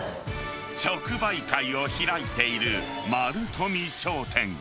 直売会を開いている丸富商店。